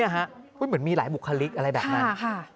เหมือนมีหลายบุคลิกอะไรแบบนั้น